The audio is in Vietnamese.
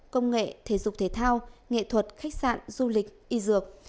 công nghệ thể dục thể thao nghệ thuật khách sạn du lịch y dược